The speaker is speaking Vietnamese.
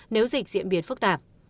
nếu dịch diễn biến phức tạp